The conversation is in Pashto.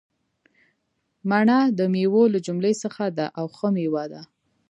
مڼه دمیوو له جملي څخه ده او ښه میوه ده